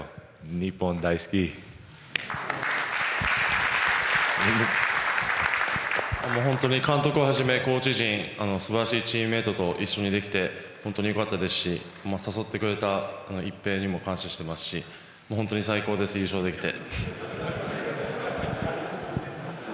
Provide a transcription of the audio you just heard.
ニホン、ダイスキ！監督をはじめコーチ陣素晴らしいチームメートと一緒にできて本当によかったですし誘ってくれた一平にも感謝していますし本当に最高です、優勝できて。